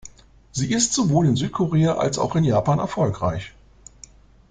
Sie ist sowohl in Südkorea als auch in Japan erfolgreich.